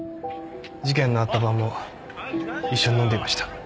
事件のあった晩も一緒に飲んでいました。